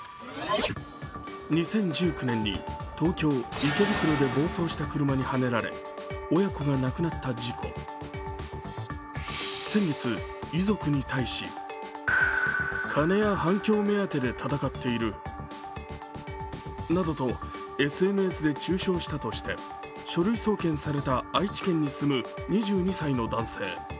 ２０１９年に東京・池袋で暴走した車にはねられ、親子が亡くなった事故先月、遺族に対しなどとＳＮＳで中傷したとして書類送検された愛知県に住む２２歳の男性。